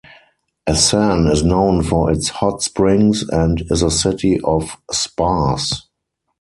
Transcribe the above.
Asan is known for its hot springs and is a city of spas.